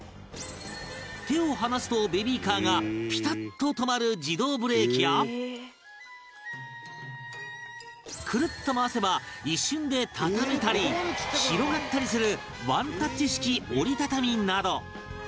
手を離すとベビーカーがピタッと止まるクルッと回せば一瞬で畳めたり広がったりするワンタッチ式折り畳みなど